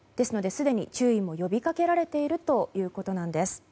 すでに注意が呼びかけられているということです。